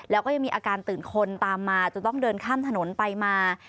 แล้วก็ยังมีอาการตื่นคนตามมาจนต้องเดินข้ามถนนไปมา